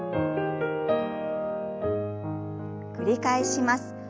繰り返します。